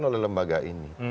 oleh lembaga ini